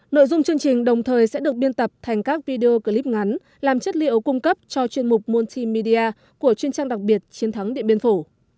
nội dung chương trình đồng thời sẽ được biên tập thành các video clip ngắn làm chất liệu cung cấp cho chuyên mục multimedia của chuyên trang đặc biệt chiến thắng địa biên phủ